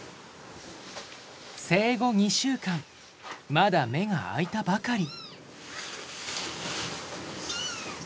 生後２週間まだ目が開いたばかり。